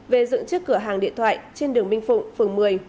về dựng trước cửa hàng điện thoại trên đường minh phụng phường một mươi